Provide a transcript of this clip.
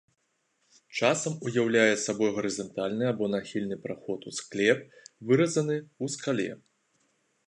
Часам уяўляе сабой гарызантальны або нахільны праход у склеп, выразаны ў скале.